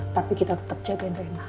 tapi kita tetap jagain rena